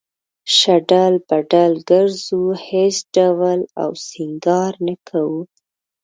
شډل بډل گرځو هېڅ ډول او سينگار نۀ کوو